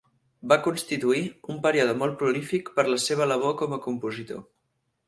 Va constituir un període molt prolífic per a la seva labor com a compositor.